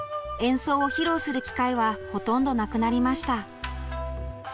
演奏を披露する機会はほとんどなくなりました。